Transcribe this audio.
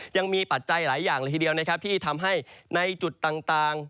ยังมีปัจจัยหลายอย่างละทีเดียวที่ทำให้ในจุดต่าง